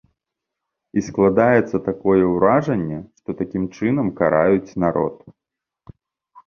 І складаецца такое ўражанне, што такім чынам караюць народ.